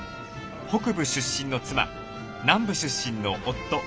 北部出身の妻南部出身の夫。